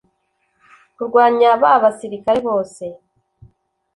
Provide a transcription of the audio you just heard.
kurwanya ba basirikare bose